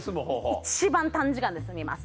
一番短時間で済みます。